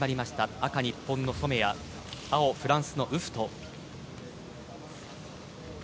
赤、日本の染谷青、フランスのウフト。